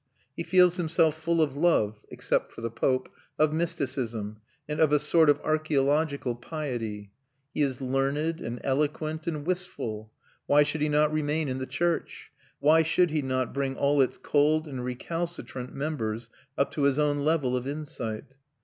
He feels himself full of love except for the pope of mysticism, and of a sort of archaeological piety. He is learned and eloquent and wistful. Why should he not remain in the church? Why should he not bring all its cold and recalcitrant members up to his own level of insight?